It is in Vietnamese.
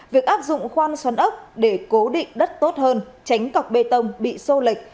việc áp dụng khoan xoắn ốc để cố định đất tốt hơn tránh cọc bê tông bị sô lệch